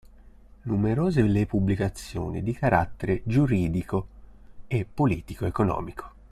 Numerose le pubblicazioni di carattere giuridico e politico-economico.